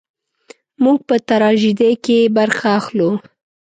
موږ په تراژیدۍ کې برخه اخلو.